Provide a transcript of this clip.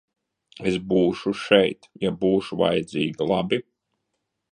Es būšu šeit, ja būšu vajadzīga, labi?